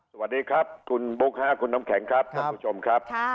สวัสดีครับคุณบุ๊คค่ะคุณน้ำแข็งครับท่านผู้ชมครับ